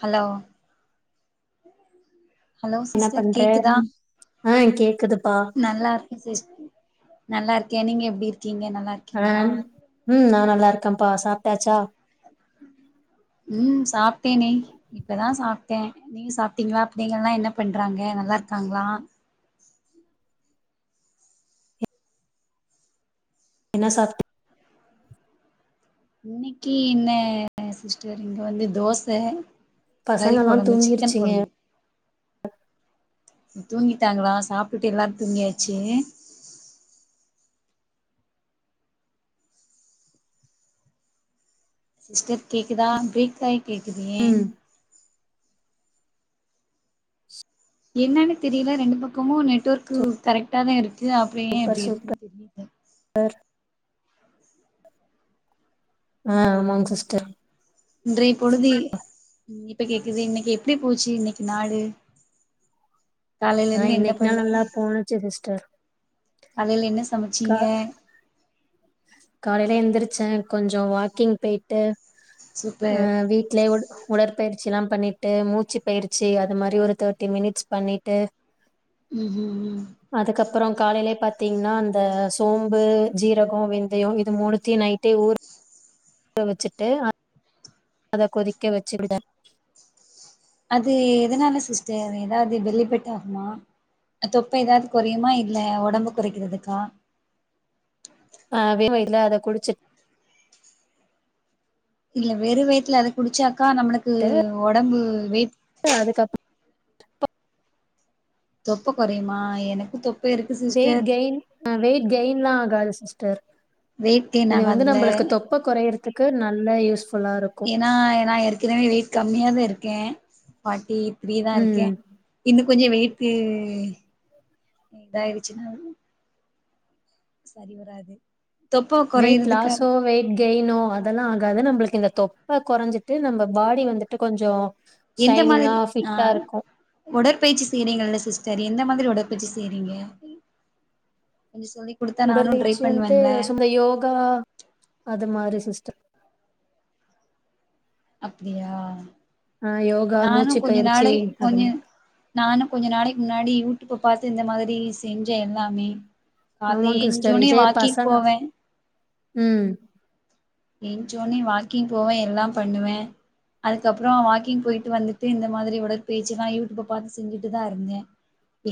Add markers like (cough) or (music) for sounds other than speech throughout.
Hello hello என்ன sister பண்ற கேக்குதா ஆ கேக்குதுப்பா நல்லா இருக்கே சிஸ் நல்லா இருக் ஏன் நீங்க எப்பிடி ம் நா நல்லா நல்லா இருக்கப்பா சாப்டாச்சா ம் சாப்ட்டேனே இப்பதா சாப்டடே நீங்க சாப்ட்டீங்களா பிள்ளைங்கல்லா என்ன பண்றாங்க நல்லா இருக்காங்களா என்ன சாப்டி இன்னிக்கி என்ன சிஸ்டர் இங்க வந்து தோச கறி பசங்கல்லா கொழம்பு சிக்கன் தூங்கிடுச்சிங்க கொழம்பு தூங்கிட்டாங்களா சாப்ட்டுட்டு எல்லாரு தூங்கியாச்சு சிஸ்டர் கேக்குதா பிரேக் ஆயி கேக்குது ஏ ம் என்னன்னு தெரியல ரெண்டு பக்கமு நெட்வோர்க்கு கரெக்டா தா இருக்கு க்கு அப்பறோ ஏ சூப்பர் இப்டி சூப்பர் இருக்குன்னு தெரியல ஆ‌ ஆமாங்க சிஸ்டர் இன்றைய பொழுது இப்ப கேக்குது இன்னைக்கி எப்டி போச்சு இன்னிக்கி நாளு காலையில ஆ இருந்து என்ன இன்னைக்கு நாள் பண்ணீங்க நல்லா போனுச்சு சிஸ்டர் காலையில என்ன சம் கா சமச்சிங்க காலையில எந்திரச்சே கொஞ்சோ வாக்கிங் பெயிட்டு சூப்பர் ம்‌ வீட்லயே உ உடற் பயிற்சி எல்லா பண்ணிட்டு மூச்சு பயிற்சி அது மாரி ஒரு தேட்டி மினிட்ஸ் பண்ணிட்டு ம் ம் ம் அப்பறோ காலைலே பாத்தீங்ன்னா அந்த சோம்பு ஜீர கோ வெந்தையோ இது மூனுத்தியோ நைட்டே ஊற ஊற வச்சிட்டு அ த கொதிக்க வெச்சு (unintelligible) அது எதனால சிஸ்டர் எதாது பெல்லி ஃபேட் ஆகுமா தொப்ப எதாது கொறையுமா இல்ல ஒடம்பு கொறைக்கிறதுக்கா ஆ வே (unintelligible) இல அத குடிச்சிட்டு இல்ல வெறு வயுத்துல அத குடிச்சா க்கா நம்மளுக்கு ட்டு ஒடம்பு வெயிட் அதுக்கப் தொப்ப கொறையுமா எனக்கு தொப்ப இருக்கு வெயிட் சிஸ்டர் கெயின் அ வெயிட் கெயின்லா ஆகாது சிஸ் டர் வெயிட் கெயின் இது வந்து நம்பளுக்கு ஆகாதுல்ல தொப்ப கொறையறதுக்கு நல்ல யூஸ் ஏன்னா ஏன்னா ஏற்க்னமே வெயிட் கம்மியா தா இருக் ஓகே பாட்டி த்ரீதா இருக்கே ம் இந்த கொஞ்சோ வெயிட்க்கு இதாய்டுச்சுன்னா செரி வராது தொப்ப வெயிட் கொறையறதுக்கு லாஸோ வெயிட் கெய்னோ அதெல்லா அதாது நம்ப்ளுக்கு இந்த தொப்ப கொறஞ்சிட்டு நம்ப பாடி வந்துட்டு கொஞ்சோ எந்த ஷைனிங்கா மாதரி அ ஃபிட்டா இருக்கு உடற் பய்ச்சி செய்றீங்களல்ல சிஸ்டர் எந்த மாதரி உடற்பய்ச்சி செய்றீங்க? கொஞ்சோ சொல்லி குடுத்தா நானு ட்ரை உடற்பயிற்சி வன்ட்டு பண்ணுவேன்ல சும்மாதா யோகா அது மாரி செ சிஸ்டர் அப்டியா? ஆ யோகா நானு மூச்சு கொஞ்ச பயிற்சி நாளை அது கொஞ்ச நானு கொஞ்ச நாளைக் முன்னாடி யூ இப்ப பாத்து இந்த மாதரி செஞ்ச எல்லாமே கால்ல ஆமாங் ஏஞ்சு ஒனே வாக்கிங் போவ. உம் என்சோன்னே வாக்கிங் போவ எல்லாம்பண்ணுவ. அதுக்கப்றோ வாக்கிங் போய்ட்டு வந்துட்டு இந்த மாதிரி உடற்பய்ச்செல்லா யூடூயூப பாத்து செஞ்சுட்டுதா இருந்தே.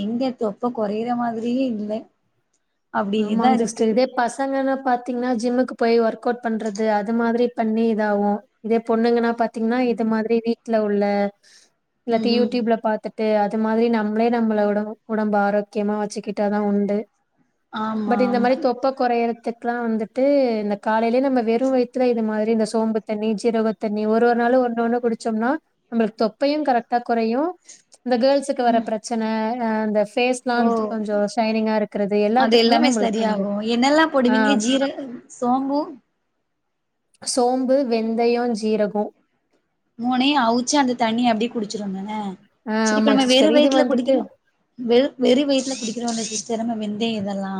எங்க தொப்ப கொறையற மாதிரியே இல்ல. அப்டியேதா ஆமாங் இருக்கு சிஸ்டர் இதே பசங்கனா பாத்தீங்ன்னா ஜிம்முக்கு போய் ஒர்க் அவுட் பண்றது அது மாதிரி பண்ணி இதாவு. இதே பொண்ணுங்கனா பாத்தீங்ன்னா இது மாதிரி வீட்ல உள்ள இல்லாட்டி ம்ஹும் யூடூயூப்ல பாத்துட் டு அது மாதிரி நம்ளே நம்ள உட உடம்ப ஆரோக்யமா வச்சுக்கிட்டாதா உண்டு. ஆமா பட் இந்த ஆமா மாரி தொப்ப கொறையறத்துக் க்லா வந்துட்டு இந்த காலைலே நம்ம வெறு வயித்துல இது மாரி இந்த சோம்பு தண்ணி ஜீரக தண்ணி ஒரு ஒரு நாளு ஒன்னு ஒன்னு குடிச்சோம்னா நம்ளுக்கு தொப்பையு கரெக்டா கொறயு இந்த கேர்ள்ஸுக்கு வர பிரச்சன ஆ அந்த ஃபேஸ்லா ஓ கொஞ்சோ ஷைனிங்கா இருக்கறது அது எல்லாத்துக் எல்லாமே சரியாகு என்னெல்லா போடுவீங்க? ஜீர சோம்பு சோம்பு வெந்தயோ ஜீரகோ மூணயு அவுச்சு அந்த தண்ணிய அப்டி குடிச்சிருவந்தான ஆ செரி இப்ப ஆமாங்க நம்ம வெறு சிஸ்டர். இது வயித்ல வந்துட்டு குடிக்றோ வெற் வெறு வயித்ல குடிக்றோ சிரம மிந்தே இதலா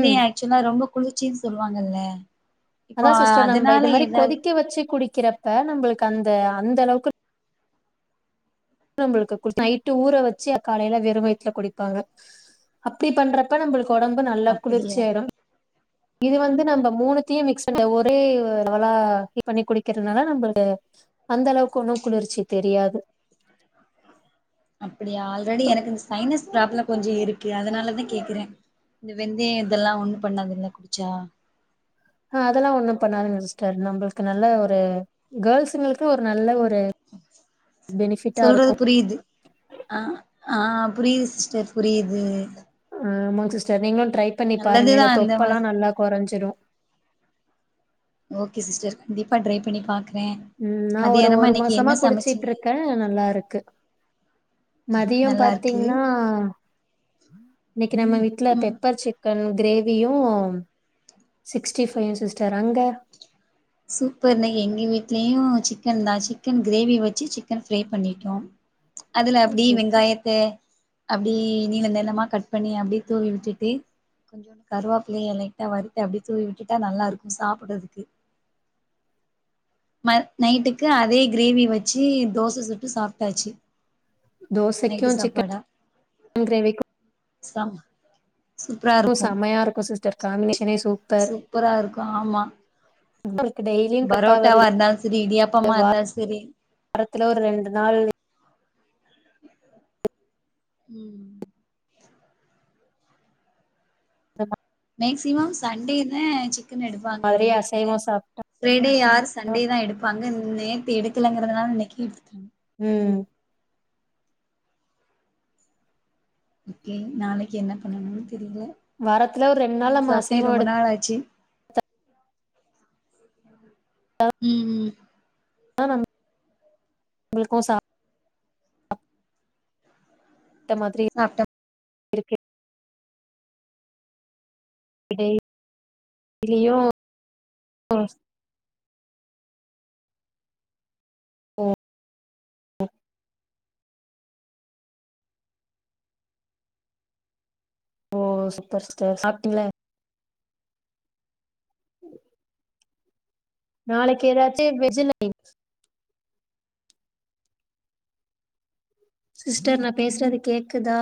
ம். ஆக்சுவலா ரொம்போ குளுச்சீன் சொல்வாங்கல்ல அதா சிஸ்டர் நம்ப இத மாரி கொதிக்க வச்சு குடி கிறப்ப நம்பளுக்கு அந்த அந்த அளவுக்கு நம்புளுக்கு கு நைட்டு ஊற வச்சு காலைல வெறு வய்த்துல குடிப்பாங்க அப்டி பண்றப்ப நம்ளுக்கு ஒடம்பு நல்லா குளிர்ச்சி அப்படியா ஆய்ரு இது வந்து நம்ப மூணுத்தியு மிக்ஸ் அந்த ஒரே வலா இது பண்ணி குடிக்கற்துனால நம்ப அந்த அளவுக்கு ஒன்னு குளுர்ச்சி தெரியாது அப்புடியா ஆல்ரெடி தொ எனக்கு இந்த சைனஸ் ப்ராப்ள கொஞ்ச இருக்கு அதனாலதா கேக்குற இந்த வெந்தய இதல்லா ஒன்னு பண்ணாதுல்ல குடுச்சா அ அதல்லா ஒன்னு பண்ணாதுங்க சிஸ்டர் நம்புள்க்கு நல்ல ஒரு கேள்ஸுங்ளுக்கு ஒரு நல்ல ஒரு பெனிஃபிட்டா இருக்கும். சொல்றது புரியிது ஆ ஆ புரியிது சிஸ்டர் புரியிது ஆமாங் சிஸ்டர் நீங்க ட்ரை பண்ணி பாருங்க நல்லதுதா இந்த அந்த தொப்பெல்லா மாரி நல்லா கொறஞ்சிடு ஓகே சிஸ்டர் கண்டிப்பா ட்ரை பண்ணி பா ம், நா ஒரு ஒரு மாசமா குடிச்சுட்டு சமைச்சீங்க இருக்கே நல்லா இருக்கு மதியம் நல்லா இருக்கு பாத்தீங்னா இன்னி க்கி நம்ம வீட்ல ம் பெப்பர் சிக்கன் கிரேவியு சிக்ஸ்டி ஃபைவ்யு சிஸ்டர் அங்க சூப்பர் ந எங்க வீட்லயு சிக்கன்தா சிக்கன் கிரேவி வச்சு சிக்கன் ஃப்ரை பண்ணிட்டோ அதுல அப்டி சூப்பர். வெங்காயத்த அப்டி நீள நீளமா கட் பண்ணி அப்டியே தூவி விட்டுட்டு கொஞ்சோ கருவாப்பில்லய லைட்டா வறுத்து அப்டியே தூவி விட்டுட்டா நல்லா இருக்கு சாப்புட்றதுக்கு ம நைட்டுக்கு அதே கிரேவி வச்சு தோச சுட்டு சாப்ட்டாச்சு நைட்டு தோசைக்கு சிக்கன் கிரேவிக்கு சாப் கு செமையாருக்கு சிஸ் (unintelligible) சூப்பராருக்கு ஆமா உங்களுக்கு டெய்லியும் கடுப்பா வருது. பரோட்டாவாருந்தாலு சரி இடியாப்பமாருந்தாலு சரி வாரத்துல ஒரு நாள் ம் (unintelligible) மேக்சிமம் சண்டே தே சிக்கன் எடுப்பாங்க எங்க மாதிரி வீட்ல அசைவம் சாப்ட்டா ஃபரைடே ஆர் சண்டே தா எடுப்பாங்க நேத்தி எடுக்க (unintelligible) இன்னைக்கு ம் ஓக்கே நாளைக்கு என்ன பண்ணணு தெரில வாரத்துல ஒரு நாள் மீன் நம்ம சாப்ட்டே அசைவம் ரொம்ப எடுத்தா நாளாச்சு ம் ம் ஆ (unintelligible) உங்ளுக்கு சா த்த மாதிரி சாப்ட்ட இருக்கு. இடை (inaudible) ம் ஓ சூப்பர் சிஸ்டர் சாப்ட்டீங்ள (inaudible) நாளைக்கு எதாச்சு வெஜீல சிஸ்டர் நா பேசுறது கேக்குதா